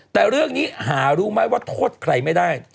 แต่เรื่องนี้หารู้ไหมว่าโทษใครไม่ได้